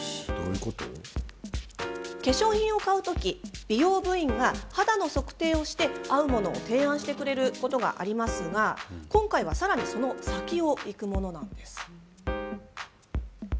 化粧品を買う時美容部員が肌の測定をして合うものを提案してくれることがありますが今回は、さらにその先をいくものなんです。